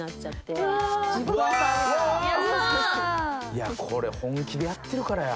いやこれ本気でやってるからや。